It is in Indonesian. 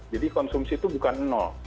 jadi konsumsi itu bukan nol